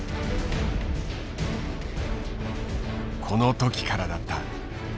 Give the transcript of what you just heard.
この時からだった。